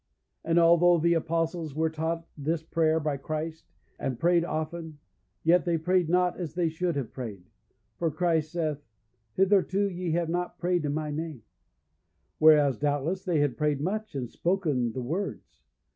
And although the Apostles were taught this prayer by Christ, and prayed often, yet they prayed not as they should have prayed: for Christ saith, "Hitherto ye have not prayed in my name;" whereas, doubtless, they had prayed much, and spoken the words.